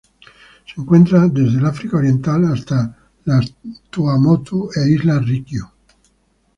Se encuentra desde el África Oriental hasta las Tuamotu e Islas Ryukyu.